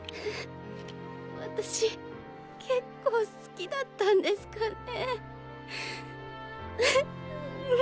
私結構好きだったんですかね。